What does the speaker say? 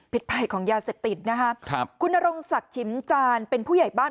ภัยของยาเสพติดนะฮะครับคุณนรงศักดิ์ชิมจานเป็นผู้ใหญ่บ้าน